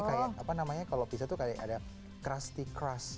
kayak apa namanya kalau pizza tuh kayak ada crusty crush